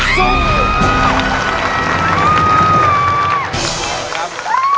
สู้ครับ